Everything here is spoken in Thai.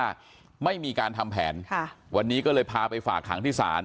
ว่าไม่มีการทำแผนค่ะวันนี้ก็เลยพาไปฝากขังที่ศาล